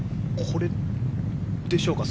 これでしょうか。